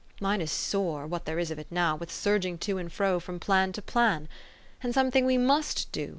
Mine is sore what there is of it now with surging to and fro from plan to plan. And something we must do.